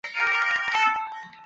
宋诗纪事卷二十四有载。